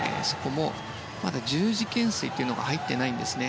十字懸垂というのが入っていないんですね。